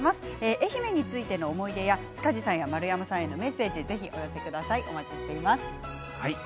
愛媛の思い出や、塚地さんや丸山さんへのメッセージをお寄せください。